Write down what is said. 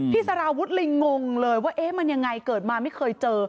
สารวุฒิเลยงงเลยว่าเอ๊ะมันยังไงเกิดมาไม่เคยเจอ